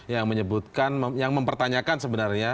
yang menyebutkan yang mempertanyakan sebenarnya